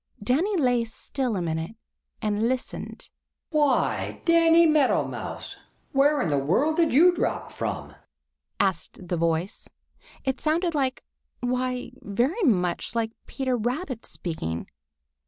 Danny lay still a minute and listened. "Why, Danny Meadow Mouse, where in the world did you drop from?" asked the voice. It sounded like—why, very much like Peter Rabbit speaking.